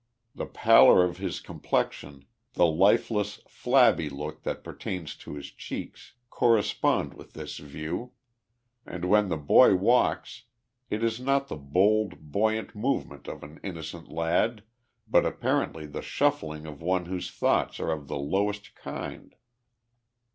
The pallor of his complexion, the lifeless, flabby look that pertains to his cheeks, correspond with this view ; and when the boy walks it is not the bold, bouyant movement of an innocent lad. but apparently the shuffling of one whose thoughts are of the lowest kind.'